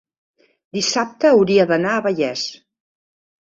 Dissabte hauria d'anar a Vallés.